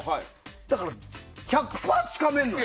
だから、１００％つかめるのよ。